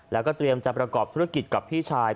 แล้วก็เตรียมจะประกอบธุรกิจกับพี่ชาย